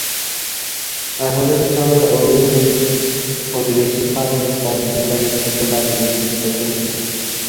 আসাদুল ইসলামের অভিযোগ, প্রতিবেশী ফারুক তাঁর দোকান থেকে বাকিতে জিনিসপত্র নিতেন।